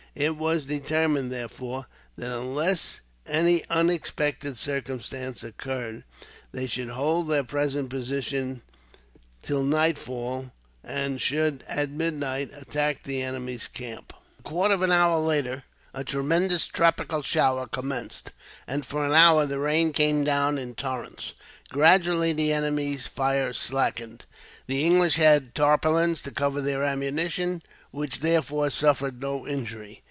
It was determined, therefore, that unless any unexpected circumstance occurred, they should hold their present position till nightfall; and should, at midnight, attack the enemy's camp. A quarter of an hour later, a tremendous tropical shower commenced, and for an hour the rain came down in torrents. Gradually the enemy's fire slackened. The English had tarpaulins to cover their ammunition, which, therefore, suffered no injury.